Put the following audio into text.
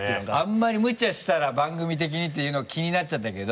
あんまり無茶したら番組的にっていうの気になっちゃったけど。